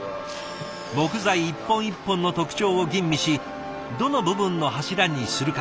木材一本一本の特徴を吟味しどの部分の柱にするか。